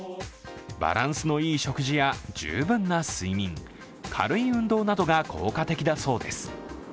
バランスのいい食事や十分な睡眠軽い運動などが効果的だそうです。